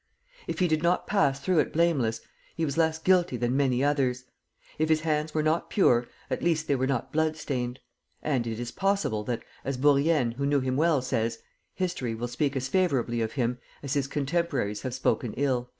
If he did not pass through it blameless, he was less guilty than many others; if his hands were not pure, at least they were not blood stained; and it is possible that, as Bourienne, who knew him well, says: 'History will speak as favorably of him as his contemporaries have spoken ill.'"